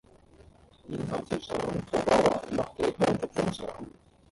然後貼上土瓜灣麥記香燭張相